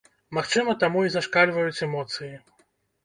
Магчыма таму і зашкальваюць эмоцыі?